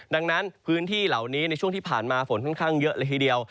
ดังนั้นพื้นที่เหล่านี้ในช่วงที่ผ่านมาฝนค่อนข้างเยอะเลยทีเดียว